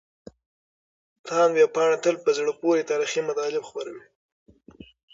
تاند ویبپاڼه تل په زړه پورې تاريخي مطالب خپروي.